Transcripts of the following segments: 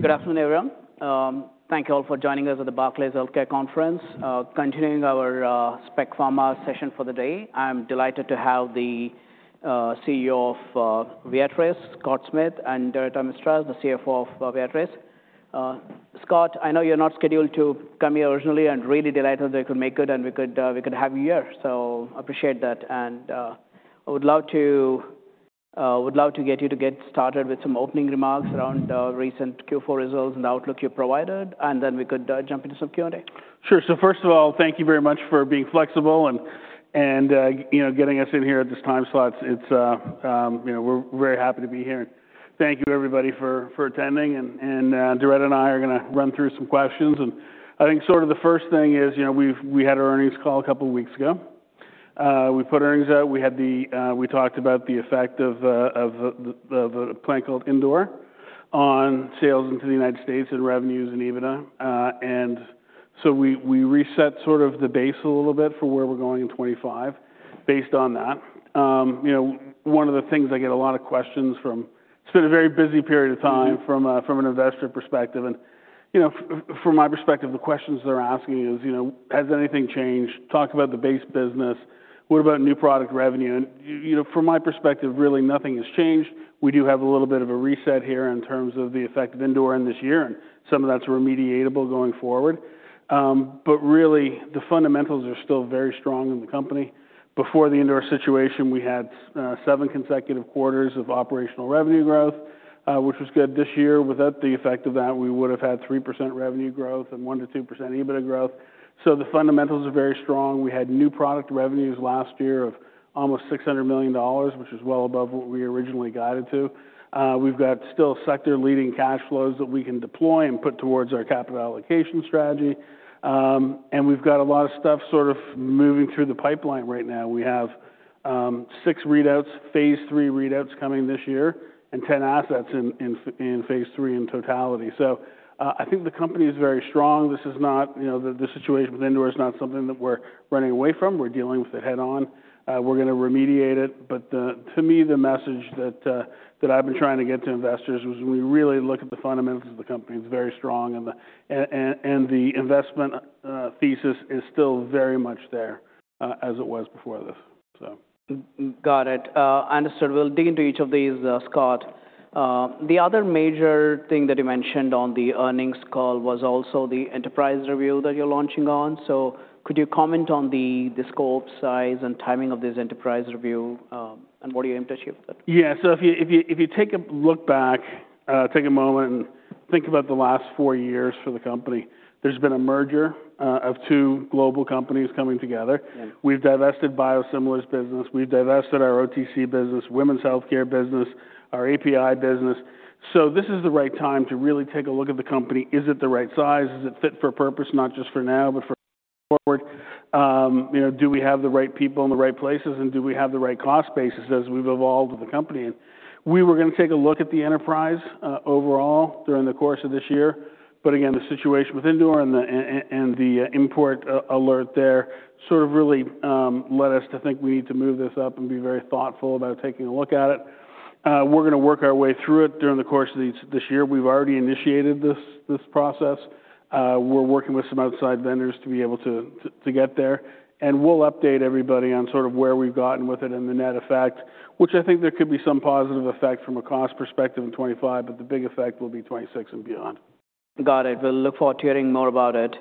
Good afternoon, everyone. Thank you all for joining us at the Barclays Healthcare Conference. Continuing our Spec Pharma session for the day, I'm delighted to have the CEO of Viatris, Scott Smith, and Doretta Mistras, the CFO of Viatris. Scott, I know you're not scheduled to come here originally, and really delighted that we could make it and we could have you here. So appreciate that. I would love to get you to get started with some opening remarks around recent Q4 results and the outlook you provided, and then we could jump into some Q&A. Sure. First of all, thank you very much for being flexible and getting us in here at this time slot. We're very happy to be here. Thank you, everybody, for attending. Doretta and I are going to run through some questions. I think sort of the first thing is we had our earnings call a couple of weeks ago. We put earnings out. We talked about the effect of the plan called Indore on sales into the United States and revenues in EBITDA. We reset sort of the base a little bit for where we're going in 2025 based on that. One of the things I get a lot of questions from, it's been a very busy period of time from an investor perspective. From my perspective, the questions they're asking is, has anything changed? Talk about the base business. What about new product revenue? From my perspective, really nothing has changed. We do have a little bit of a reset here in terms of the effect of Indore in this year, and some of that is remediatable going forward. Really, the fundamentals are still very strong in the company. Before the Indore situation, we had seven consecutive quarters of operational revenue growth, which was good. This year, without the effect of that, we would have had 3% revenue growth and 1%-2% EBITDA growth. The fundamentals are very strong. We had new product revenues last year of almost $600 million, which is well above what we originally guided to. We have still sector-leading cash flows that we can deploy and put towards our capital allocation strategy. We have a lot of stuff sort of moving through the pipeline right now. We have six readouts, Phase III readouts coming this year, and 10 assets in Phase III in totality. I think the company is very strong. This is not the situation with Indore is not something that we're running away from. We're dealing with it head-on. We're going to remediate it. To me, the message that I've been trying to get to investors was when we really look at the fundamentals of the company, it's very strong, and the investment thesis is still very much there as it was before this. Got it. Understood. We'll dig into each of these, Scott. The other major thing that you mentioned on the earnings call was also the enterprise review that you're launching on. Could you comment on the scope, size, and timing of this enterprise review, and what are your implications? Yeah. If you take a look back, take a moment and think about the last four years for the company, there's been a merger of two global companies coming together. We've divested biosimilars business. We've divested our OTC business, Women's Healthcare business, our API business. This is the right time to really take a look at the company. Is it the right size? Is it fit for purpose, not just for now, but for going forward? Do we have the right people in the right places, and do we have the right cost basis as we've evolved with the company? We were going to take a look at the enterprise overall during the course of this year. Again, the situation with Indore and the import alert there sort of really led us to think we need to move this up and be very thoughtful about taking a look at it. We're going to work our way through it during the course of this year. We've already initiated this process. We're working with some outside vendors to be able to get there. We'll update everybody on sort of where we've gotten with it and the net effect, which I think there could be some positive effect from a cost perspective in 2025, but the big effect will be 2026 and beyond. Got it. We will look forward to hearing more about it.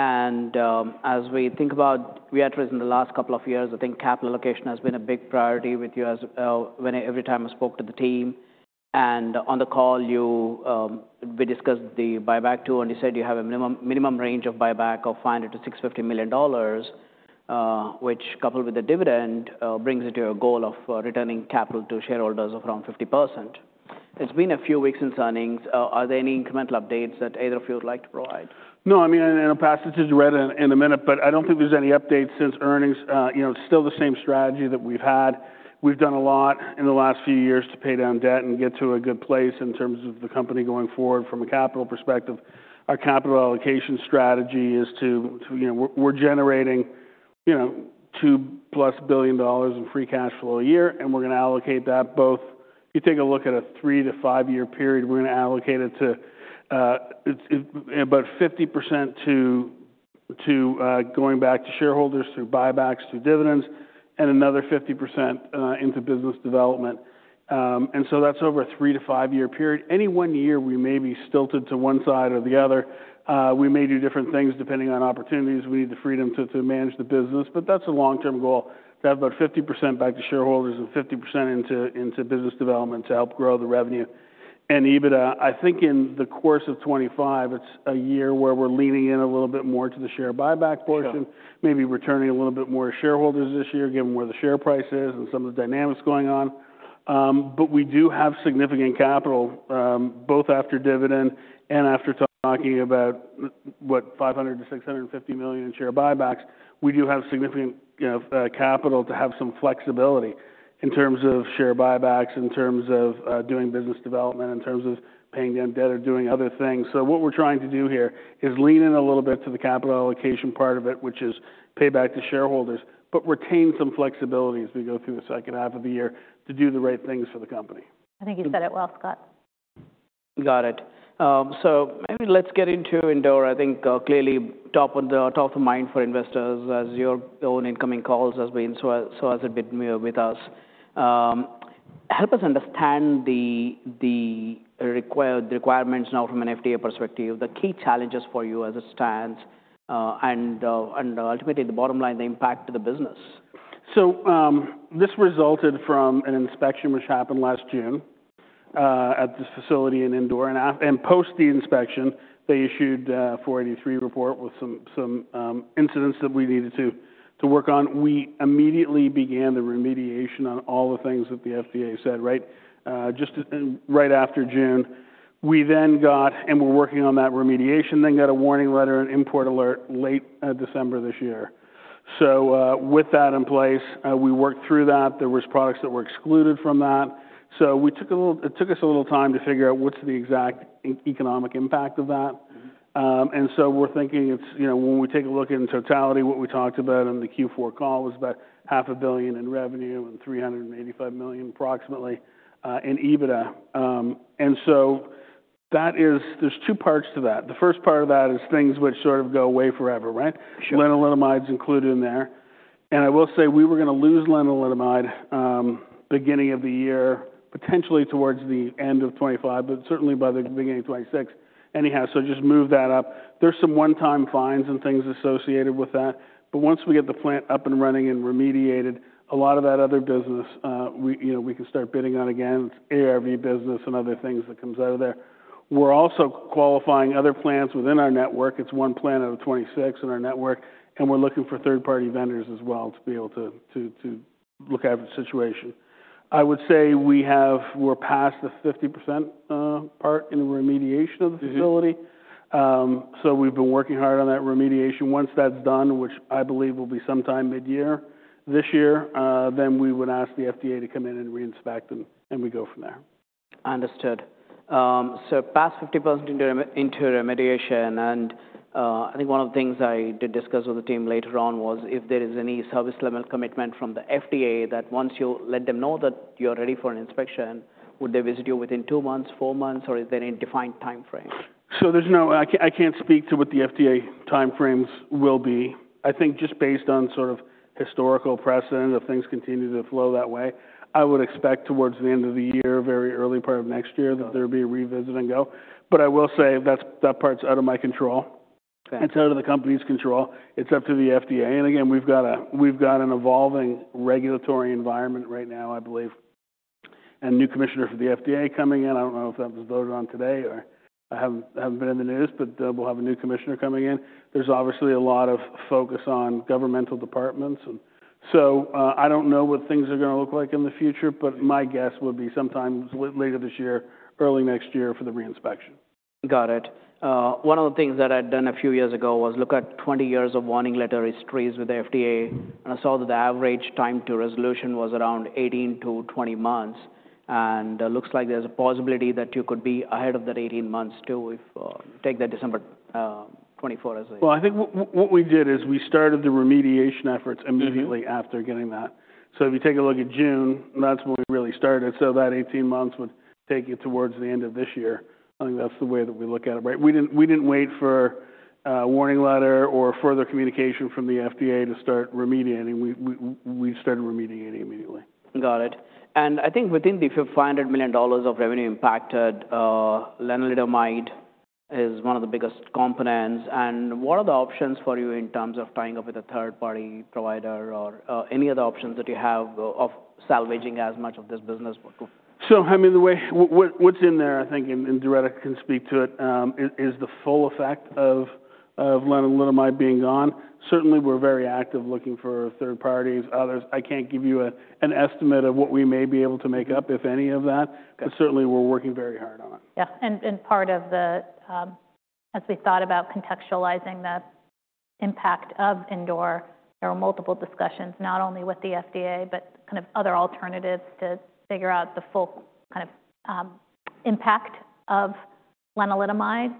As we think about Viatris in the last couple of years, I think capital allocation has been a big priority with you every time I spoke to the team. On the call, we discussed the buyback too, and you said you have a minimum range of buyback of $500 million-$650 million, which coupled with the dividend brings it to your goal of returning capital to shareholders of around 50%. It has been a few weeks since earnings. Are there any incremental updates that either of you would like to provide? No, I mean, and I'll pass it to Doretta in a minute, but I don't think there's any updates since earnings. It's still the same strategy that we've had. We've done a lot in the last few years to pay down debt and get to a good place in terms of the company going forward from a capital perspective. Our capital allocation strategy is to we're generating $2 billion plus in free cash flow a year, and we're going to allocate that both if you take a look at a three- to five-year period, we're going to allocate it to about 50% to going back to shareholders through buybacks, through dividends, and another 50% into business development. That's over a three- to five-year period. Any one year we may be stilted to one side or the other. We may do different things depending on opportunities. We need the freedom to manage the business, but that's a long-term goal to have about 50% back to shareholders and 50% into business development to help grow the revenue. EBITDA, I think in the course of 2025, it's a year where we're leaning in a little bit more to the share buyback portion, maybe returning a little bit more to shareholders this year, given where the share price is and some of the dynamics going on. We do have significant capital, both after dividend and after talking about, what, $500 million -$650 million in share buybacks. We do have significant capital to have some flexibility in terms of share buybacks, in terms of doing business development, in terms of paying down debt or doing other things. What we're trying to do here is lean in a little bit to the capital allocation part of it, which is pay back to shareholders, but retain some flexibility as we go through the second half of the year to do the right things for the company. I think you said it well, Scott. Got it. Maybe let's get into Indore. I think clearly top of the mind for investors as your own incoming calls has been, so has it been with us. Help us understand the requirements now from an FDA perspective, the key challenges for you as it stands, and ultimately the bottom line, the impact to the business. This resulted from an inspection which happened last June at this facility in Indore. Post the inspection, they issued a 483 report with some incidents that we needed to work on. We immediately began the remediation on all the things that the FDA said, right? Just right after June. We then got, and we were working on that remediation, then got a warning letter and import alert late December this year. With that in place, we worked through that. There were products that were excluded from that. It took us a little time to figure out what's the exact economic impact of that. When we take a look in totality, what we talked about in the Q4 call was about $500 million in revenue and $385 million approximately in EBITDA. There are two parts to that. The first part of that is things which sort of go away forever, right? Sure. Lenalidomide's included in there. I will say we were going to lose lenalidomide beginning of the year, potentially towards the end of 2025, but certainly by the beginning of 2026. Anyhow, just move that up. There are some one-time fines and things associated with that. Once we get the plant up and running and remediated, a lot of that other business we can start bidding on again. It's ARV business and other things that come out of there. We're also qualifying other plants within our network. It's one plant out of 26 in our network, and we're looking for third-party vendors as well to be able to look at the situation. I would say we're past the 50% part in the remediation of the facility. We've been working hard on that remediation. Once that's done, which I believe will be sometime mid-year this year, then we would ask the FDA to come in and reinspect, and we go from there. Understood. Past 50% into remediation. I think one of the things I did discuss with the team later on was if there is any service-level commitment from the FDA that once you let them know that you're ready for an inspection, would they visit you within two months, four months, or is there any defined timeframe? I can't speak to what the FDA timeframes will be. I think just based on sort of historical precedent, if things continue to flow that way, I would expect towards the end of the year, very early part of next year, that there would be a revisit and go. I will say that part's out of my control. It's out of the company's control. It's up to the FDA. Again, we've got an evolving regulatory environment right now, I believe, and a new commissioner for the FDA coming in. I don't know if that was voted on today or I haven't been in the news, but we'll have a new commissioner coming in. There's obviously a lot of focus on governmental departments. I don't know what things are going to look like in the future, but my guess would be sometime later this year, early next year for the reinspection. Got it. One of the things that I'd done a few years ago was look at 20 years of warning letter histories with the FDA. I saw that the average time to resolution was around 18 to 20 months. It looks like there's a possibility that you could be ahead of that 18 months too if you take that December 2024 as a. I think what we did is we started the remediation efforts immediately after getting that. If you take a look at June, that's when we really started. That 18 months would take you towards the end of this year. I think that's the way that we look at it, right? We didn't wait for a warning letter or further communication from the FDA to start remediating. We started remediating immediately. Got it. I think within the $500 million of revenue impacted, lenalidomide is one of the biggest components. What are the options for you in terms of tying up with a third-party provider or any other options that you have of salvaging as much of this business? I mean, what's in there, I think, and Doretta can speak to it, is the full effect of lenalidomide being gone. Certainly, we're very active looking for third parties. I can't give you an estimate of what we may be able to make up, if any of that. Certainly, we're working very hard on it. Yeah. Part of the, as we thought about contextualizing the impact of Indore, there were multiple discussions, not only with the FDA, but kind of other alternatives to figure out the full kind of impact of lenalidomide.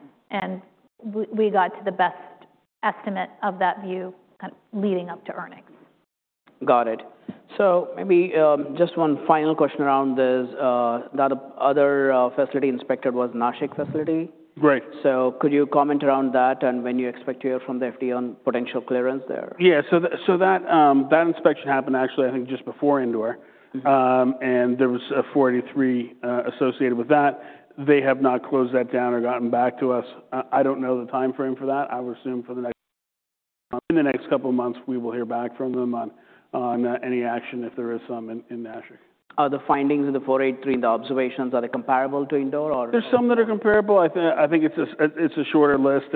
We got to the best estimate of that view kind of leading up to earnings. Got it. Maybe just one final question around this. That other facility inspected was Nashik facility. Right. Could you comment around that and when you expect to hear from the FDA on potential clearance there? Yeah. That inspection happened actually, I think, just before Indore. There was a 483 associated with that. They have not closed that down or gotten back to us. I do not know the timeframe for that. I would assume in the next couple of months we will hear back from them on any action, if there is some, in Nashik. Are the findings of the 483 and the observations, are they comparable to Indore or? There's some that are comparable. I think it's a shorter list.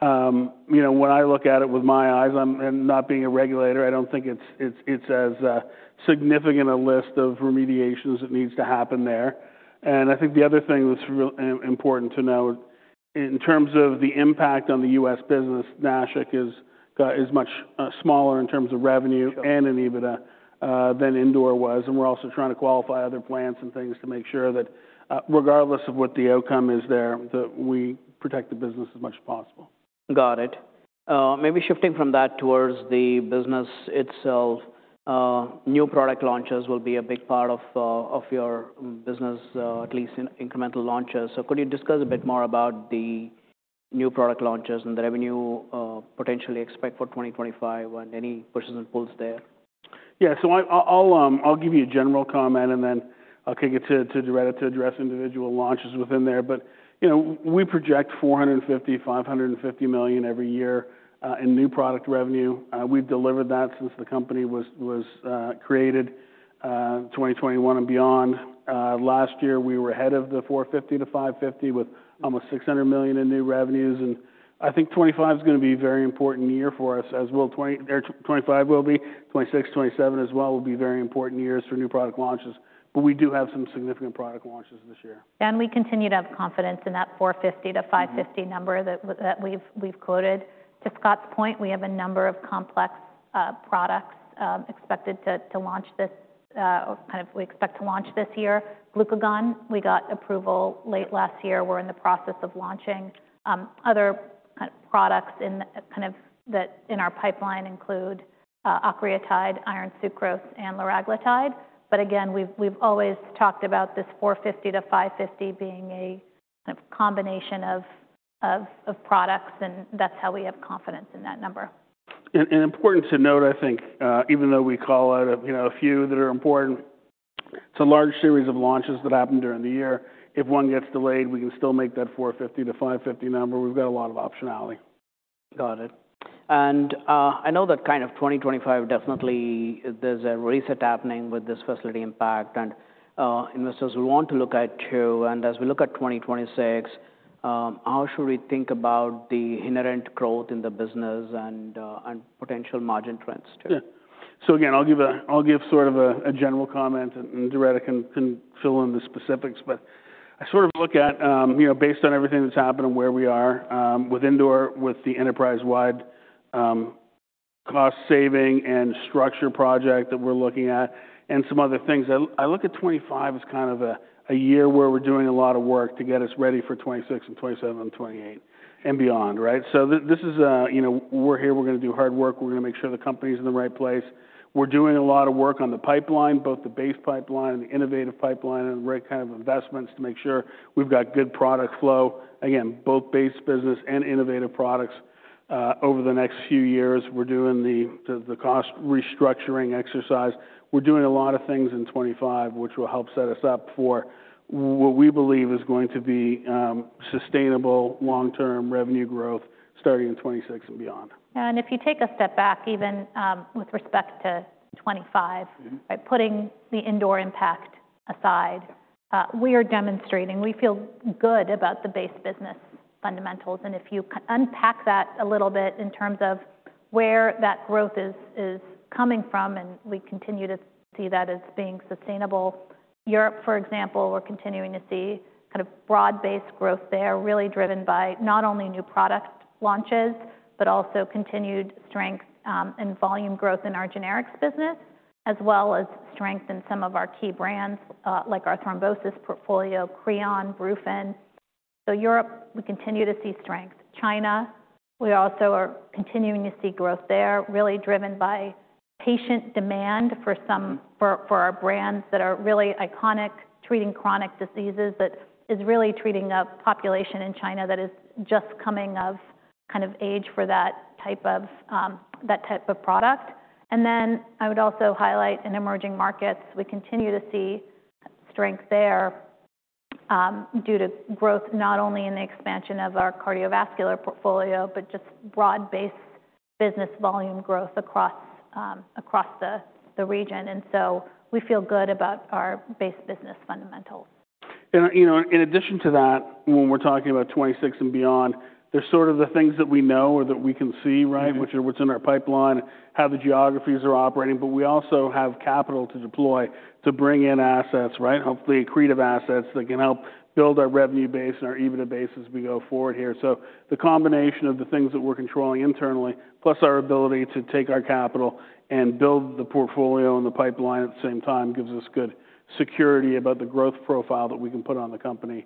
When I look at it with my eyes, and not being a regulator, I don't think it's as significant a list of remediations that needs to happen there. I think the other thing that's important to note, in terms of the impact on the U.S. business, Nashik has got much smaller in terms of revenue and in EBITDA than Indore was. We're also trying to qualify other plants and things to make sure that regardless of what the outcome is there, that we protect the business as much as possible. Got it. Maybe shifting from that towards the business itself, new product launches will be a big part of your business, at least incremental launches. Could you discuss a bit more about the new product launches and the revenue potentially expect for 2025 and any pushes and pulls there? Yeah. I'll give you a general comment, and then I'll kick it to Doretta to address individual launches within there. We project $450 million-$550 million every year in new product revenue. We've delivered that since the company was created in 2021 and beyond. Last year, we were ahead of the $450 million-$550 million with almost $600 million in new revenues. I think 2025 is going to be a very important year for us as well. 2025 will be. 2026, 2027 as well will be very important years for new product launches. We do have some significant product launches this year. We continue to have confidence in that $450-$550 number that we've quoted. To Scott's point, we have a number of complex products expected to launch this year. Glucagon, we got approval late last year. We're in the process of launching. Other products in our pipeline include octreotide, iron sucrose, and liraglutide. Again, we've always talked about this $450-$550 being a combination of products, and that's how we have confidence in that number. Important to note, I think, even though we call out a few that are important, it's a large series of launches that happen during the year. If one gets delayed, we can still make that $450-$550 number. We've got a lot of optionality. Got it. I know that kind of 2025, definitely there's a reset happening with this facility impact, and investors will want to look at too. As we look at 2026, how should we think about the inherent growth in the business and potential margin trends too? Yeah. Again, I'll give sort of a general comment, and Doretta can fill in the specifics. I sort of look at, based on everything that's happened and where we are with Indore, with the enterprise-wide cost-saving and structure project that we're looking at, and some other things. I look at 2025 as kind of a year where we're doing a lot of work to get us ready for 2026 and 2027 and 2028 and beyond, right? This is where we're here. We're going to do hard work. We're going to make sure the company's in the right place. We're doing a lot of work on the pipeline, both the base pipeline and the innovative pipeline, and the right kind of investments to make sure we've got good product flow. Again, both base business and innovative products over the next few years. We're doing the cost restructuring exercise. We're doing a lot of things in 2025, which will help set us up for what we believe is going to be sustainable long-term revenue growth starting in 2026 and beyond. Yeah. If you take a step back, even with respect to 2025, putting the Indore impact aside, we are demonstrating we feel good about the base business fundamentals. If you unpack that a little bit in terms of where that growth is coming from, we continue to see that as being sustainable. Europe, for example, we're continuing to see kind of broad-based growth there, really driven by not only new product launches, but also continued strength and volume growth in our generics business, as well as strength in some of our key brands like our Thrombosis portfolio, Creon, Brufen. Europe, we continue to see strength. China, we also are continuing to see growth there, really driven by patient demand for our brands that are really iconic, treating chronic diseases, that is really treating a population in China that is just coming of kind of age for that type of product. I would also highlight in emerging markets, we continue to see strength there due to growth not only in the expansion of our cardiovascular portfolio, but just broad-based business volume growth across the region. We feel good about our base business fundamentals. In addition to that, when we're talking about 2026 and beyond, there's sort of the things that we know or that we can see, right, which are what's in our pipeline, how the geographies are operating. We also have capital to deploy to bring in assets, right, hopefully accretive assets that can help build our revenue base and our EBITDA basis as we go forward here. The combination of the things that we're controlling internally, plus our ability to take our capital and build the portfolio and the pipeline at the same time, gives us good security about the growth profile that we can put on the company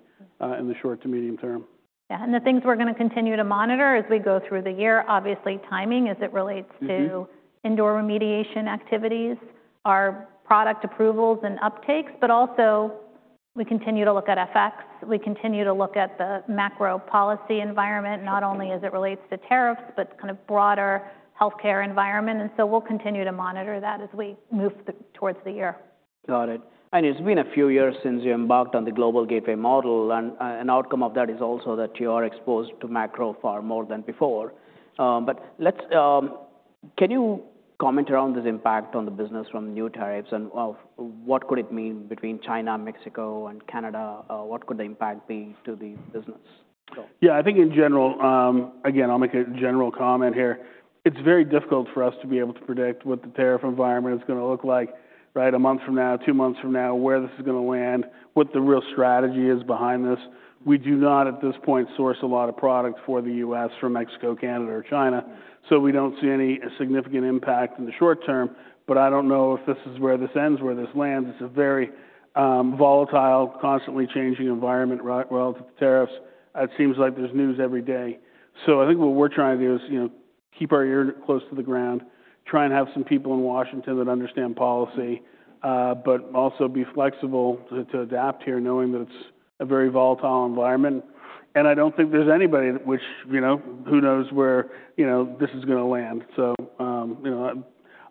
in the short to medium term. Yeah. The things we're going to continue to monitor as we go through the year, obviously timing as it relates to Indore remediation activities, our product approvals and uptakes, but also we continue to look at FX. We continue to look at the macro policy environment, not only as it relates to tariffs, but kind of broader healthcare environment. We will continue to monitor that as we move towards the year. Got it. It's been a few years since you embarked on the global Gateway model. An outcome of that is also that you are exposed to macro far more than before. Can you comment around this impact on the business from new tariffs? What could it mean between China, Mexico, and Canada? What could the impact be to the business? Yeah. I think in general, again, I'll make a general comment here. It's very difficult for us to be able to predict what the tariff environment is going to look like, right, a month from now, two months from now, where this is going to land, what the real strategy is behind this. We do not at this point source a lot of product for the U.S. from Mexico, Canada, or China. We don't see any significant impact in the short term. I don't know if this is where this ends, where this lands. It's a very volatile, constantly changing environment relative to tariffs. It seems like there's news every day. I think what we're trying to do is keep our ear close to the ground, try and have some people in Washington that understand policy, but also be flexible to adapt here, knowing that it's a very volatile environment. I don't think there's anybody who knows where this is going to land.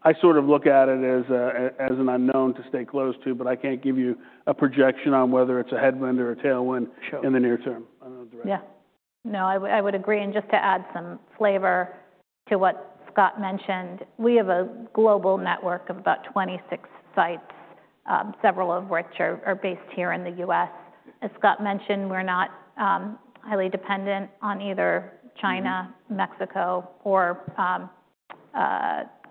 I sort of look at it as an unknown to stay close to, but I can't give you a projection on whether it's a headwind or a tailwind in the near term. Yeah. No, I would agree. Just to add some flavor to what Scott mentioned, we have a global network of about 26 sites, several of which are based here in the U.S. As Scott mentioned, we're not highly dependent on either China, Mexico, or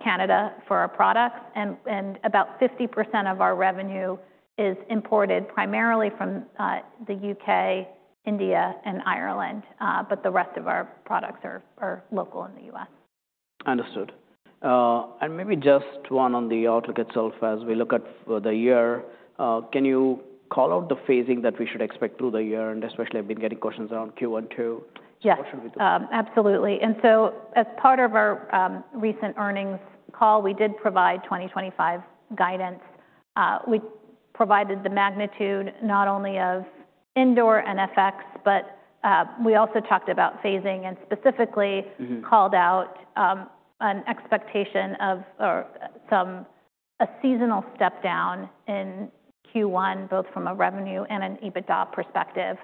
Canada for our products. About 50% of our revenue is imported primarily from the U.K., India, and Ireland. The rest of our products are local in the U.S. Understood. Maybe just one on the outlook itself as we look at the year. Can you call out the phasing that we should expect through the year? Especially, I've been getting questions around Q1 too. Yeah. Absolutely. As part of our recent earnings call, we did provide 2025 guidance. We provided the magnitude not only of Indore and FX, but we also talked about phasing and specifically called out an expectation of a seasonal step down in Q1, both from a revenue and an EBITDA perspective.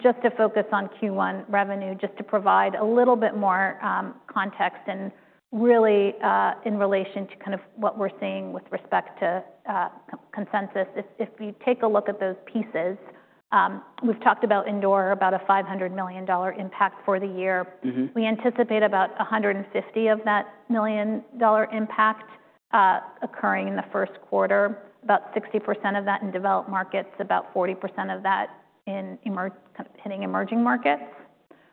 Just to focus on Q1 revenue, just to provide a little bit more context and really in relation to kind of what we're seeing with respect to consensus, if you take a look at those pieces, we've talked about Indore, about a $500 million impact for the year. We anticipate about $150 million of that impact occurring in the first quarter, about 60% of that in developed markets, about 40% of that hitting emerging markets.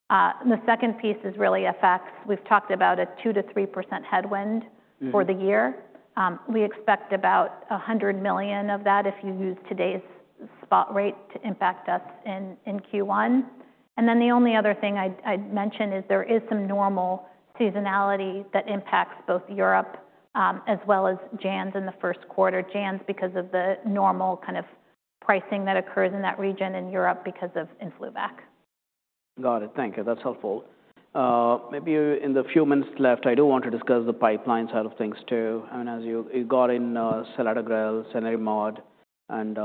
The second piece is really FX. We've talked about a 2%-3% headwind for the year. We expect about $100 million of that if you use today's spot rate to impact us in Q1. The only other thing I'd mention is there is some normal seasonality that impacts both Europe as well as JANZ in the first quarter, JANZ because of the normal kind of pricing that occurs in that region, in Europe because of Influvac. Got it. Thank you. That's helpful. Maybe in the few minutes left, I do want to discuss the pipeline side of things too. I mean, as you got in Selatogrel, Cenerimod, and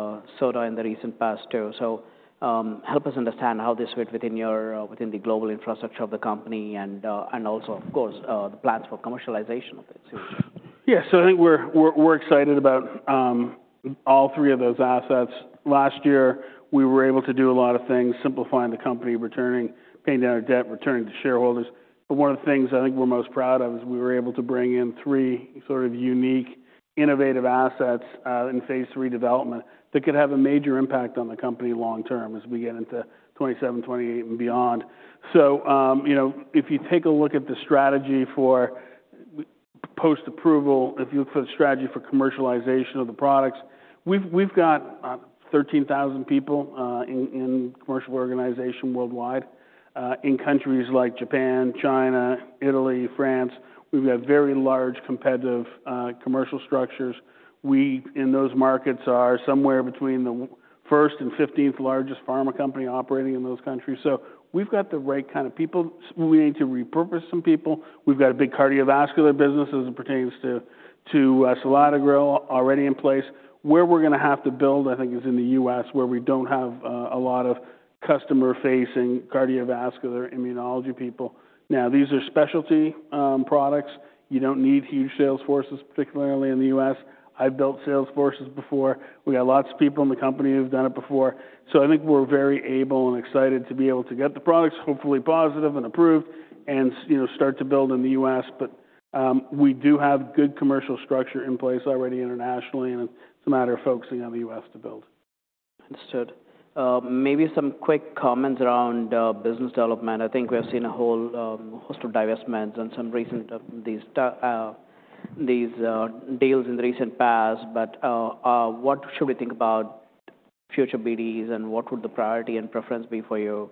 SOTA in the recent past too. So help us understand how this fits within the global infrastructure of the company and also, of course, the plans for commercialization of it. Yeah. I think we're excited about all three of those assets. Last year, we were able to do a lot of things, simplifying the company, paying down our debt, returning to shareholders. One of the things I think we're most proud of is we were able to bring in three sort of unique, innovative assets in Phase III development that could have a major impact on the company long-term as we get into 2027, 2028 and beyond. If you take a look at the strategy for post-approval, if you look for the strategy for commercialization of the products, we've got 13,000 people in commercial organization worldwide in countries like Japan, China, Italy, France. We've got very large competitive commercial structures. We in those markets are somewhere between the first and 15th largest pharma company operating in those countries. We've got the right kind of people. We need to repurpose some people. We've got a big cardiovascular business as it pertains to Selatogrel already in place. Where we're going to have to build, I think, is in the U.S. where we don't have a lot of customer-facing cardiovascular immunology people. Now, these are specialty products. You don't need huge sales forces, particularly in the U.S. I've built sales forces before. We got lots of people in the company who've done it before. I think we're very able and excited to be able to get the products, hopefully positive and approved, and start to build in the U.S. We do have good commercial structure in place already internationally, and it's a matter of focusing on the U.S. to build. Understood. Maybe some quick comments around business development. I think we have seen a whole host of divestments and some recent deals in the recent past. What should we think about future BDs and what would the priority and preference be for you?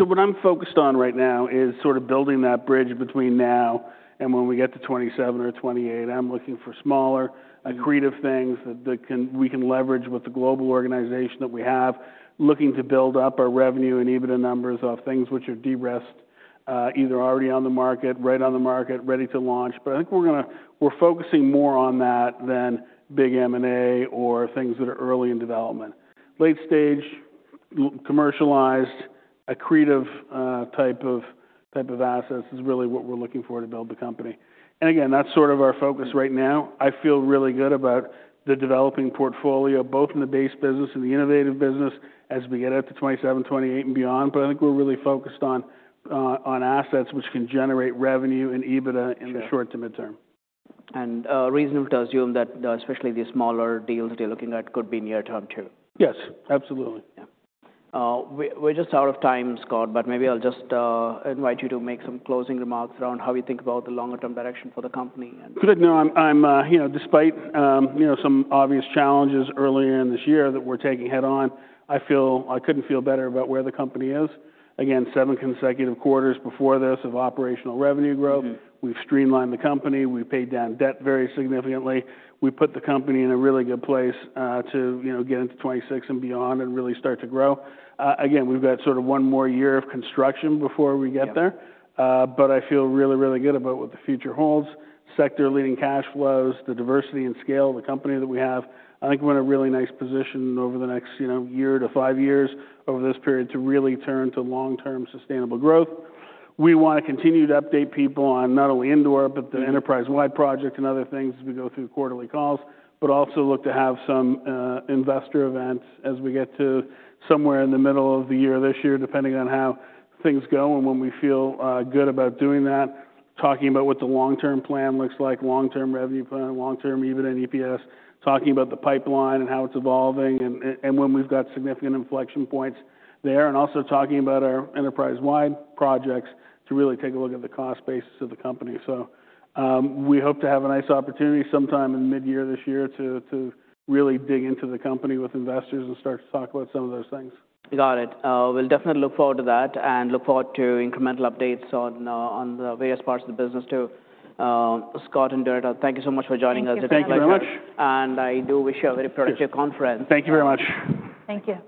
What I'm focused on right now is sort of building that bridge between now and when we get to 2027 or 2028. I'm looking for smaller, accretive things that we can leverage with the global organization that we have, looking to build up our revenue and EBITDA numbers off things which are de-risked, either already on the market, right on the market, ready to launch. I think we're focusing more on that than big M&A or things that are early in development. Late-stage, commercialized, accretive type of assets is really what we're looking for to build the company. Again, that's sort of our focus right now. I feel really good about the developing portfolio, both in the base business and the innovative business as we get out to 2027, 2028 and beyond. I think we're really focused on assets which can generate revenue and EBITDA in the short to midterm. it reasonable to assume that especially the smaller deals that you're looking at could be near-term too? Yes, absolutely. Yeah. We're just out of time, Scott, but maybe I'll just invite you to make some closing remarks around how you think about the longer-term direction for the company. Good. No, despite some obvious challenges earlier in this year that we're taking head-on, I feel I couldn't feel better about where the company is. Again, seven consecutive quarters before this of operational revenue growth. We've streamlined the company. We've paid down debt very significantly. We put the company in a really good place to get into 2026 and beyond and really start to grow. Again, we've got sort of one more year of construction before we get there. I feel really, really good about what the future holds. Sector-leading cash flows, the diversity and scale of the company that we have, I think we're in a really nice position over the next year to five years over this period to really turn to long-term sustainable growth. We want to continue to update people on not only Indore, but the enterprise-wide project and other things as we go through quarterly calls, but also look to have some investor events as we get to somewhere in the middle of the year this year, depending on how things go and when we feel good about doing that, talking about what the long-term plan looks like, long-term revenue plan, long-term EBITDA and EPS, talking about the pipeline and how it's evolving, and when we've got significant inflection points there, and also talking about our enterprise-wide projects to really take a look at the cost basis of the company. We hope to have a nice opportunity sometime in mid-year this year to really dig into the company with investors and start to talk about some of those things. Got it. We'll definitely look forward to that and look forward to incremental updates on the various parts of the business too. Scott and Doretta, thank you so much for joining us. Thank you very much. I do wish you a very productive conference. Thank you very much. Thank you.